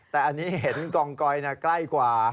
แต่อันนี้เห็นกองกอยใกล้กว่า